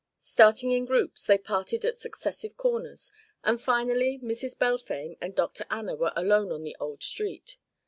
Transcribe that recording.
Starting in groups, they parted at successive corners, and finally Mrs. Balfame and Dr. Anna were alone in the old street.